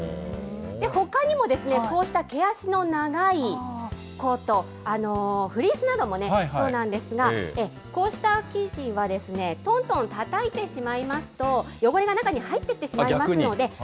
ほかにも、こうした毛足の長いコート、フリースなどもそうなんですが、こうした生地はですね、とんとんたたいてしまいますと、汚れが中に入っていってしまいますので。